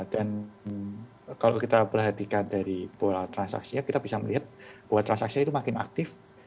dan kalau kita perhatikan dari pola transaksinya kita bisa melihat pola transaksinya itu makin aktif